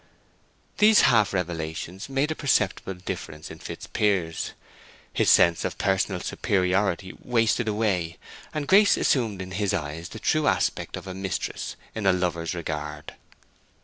These half revelations made a perceptible difference in Fitzpiers. His sense of personal superiority wasted away, and Grace assumed in his eyes the true aspect of a mistress in her lover's regard.